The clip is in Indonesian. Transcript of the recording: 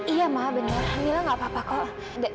iya maaf bener mila gak apa apa kok